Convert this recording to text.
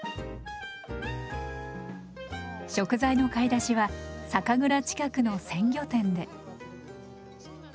食材の買い出しは酒蔵近くの鮮魚店で。